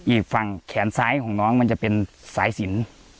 อีกฝั่งแขนซ้ายของน้องมันจะเป็นสายสิน